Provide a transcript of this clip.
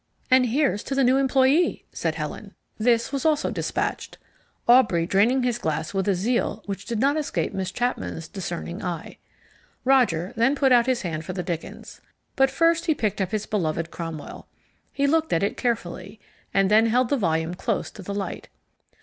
"And here's to the new employee," said Helen. This also was dispatched, Aubrey draining his glass with a zeal which did not escape Miss Chapman's discerning eye. Roger then put out his hand for the Dickens. But first he picked up his beloved Cromwell. He looked at it carefully, and then held the volume close to the light.